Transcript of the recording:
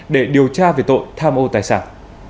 để điều tra về tội tham ô tài sản